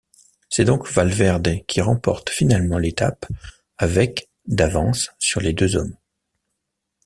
C'est donc Valverde qui remporte finalement l'étape avec d'avance sur les deux hommes.